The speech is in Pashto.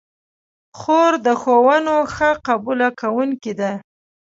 خور د ښوونو ښه قبوله کوونکې ده.